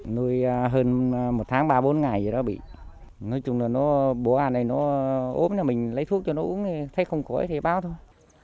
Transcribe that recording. nuôi hơn một tháng ba bốn ngày rồi đó bị nói chung là bố à này nó ốm mình lấy thuốc cho nó uống thì thấy không có thì báo thôi